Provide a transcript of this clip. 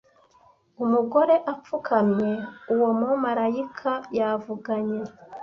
umugore apfukamye uwo mumarayika yavuganye